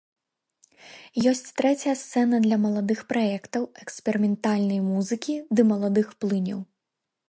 Ёсць трэцяя сцэна для маладых праектаў, эксперыментальнай музыкі ды маладых плыняў.